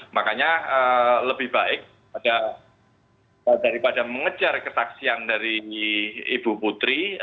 makanya lebih baik daripada mengejar kesaksian dari ibu putri